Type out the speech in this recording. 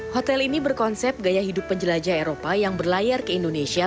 hotel ini berkonsep gaya hidup penjelajah eropa yang berlayar ke indonesia